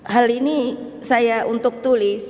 hal ini saya untuk tulis